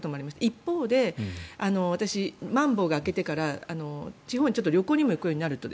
一方で私、まん防が明けてから地方に旅行にも行くようになると